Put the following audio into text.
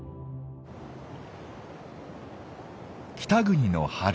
北国の春。